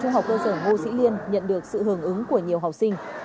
trường học cơ sở vô sĩ liên nhận được sự hưởng ứng của nhiều học sinh